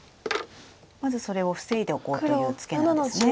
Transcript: まずそれを防いでおこうというツケなんですね。